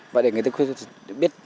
và để người khuyết tật biết